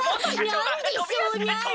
なんでそうなるの！